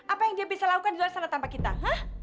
apa yang dia bisa lakukan di luar sana tanpa kita hah